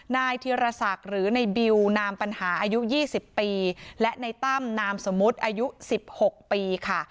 นายธีรศักดิ์หรือในบิวนามปัญหาอายุ๒๐ปีและในตั้มนามสมมุติอายุ๑๖ปีค่ะ